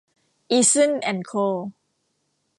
อีซึ่น แอนด์ โค